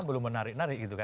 belum menarik narik gitu kan